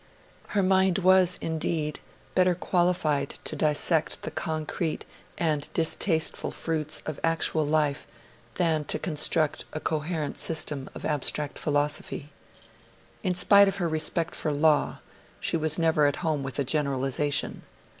Her mind was, indeed, better qualified to dissect the concrete and distasteful fruits of actual life than to construct a coherent system of abstract philosophy. In spite of her respect for Law, she was never at home with a generalisation.